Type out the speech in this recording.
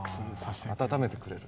温めてくれる。